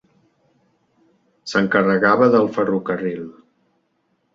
S'encarregava del ferrocarril.